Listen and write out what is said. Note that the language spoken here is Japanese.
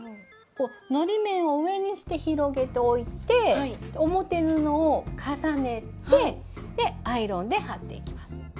のり面を上にして広げておいて表布を重ねてアイロンで貼っていきます。